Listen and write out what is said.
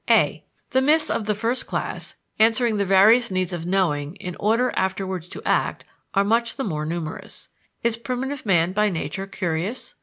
a. The myths of the first class, answering the various needs of knowing in order afterwards to act, are much the more numerous.... Is primitive man by nature curious?